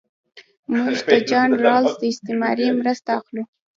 موږ د جان رالز د استعارې مرسته اخلو.